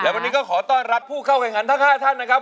วันนี้ก็ขอต้อนรับผู้เข้าแข่งขันทั้ง๕ท่านนะครับ